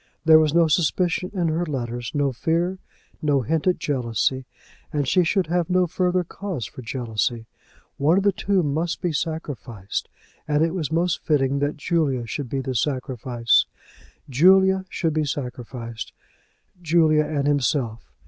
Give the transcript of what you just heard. There was no suspicion in her letter, no fear, no hint at jealousy. And she should have no further cause for jealousy! One of the two must be sacrificed, and it was most fitting that Julia should be the sacrifice. Julia should be sacrificed, Julia and himself!